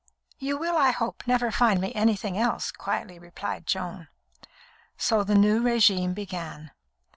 "You will, I hope, never find me anything else," quietly replied Joan. So the new régime began.